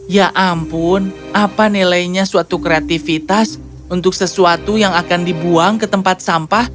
ya ampun apa nilainya suatu kreativitas untuk sesuatu yang akan dibuang ke tempat sampah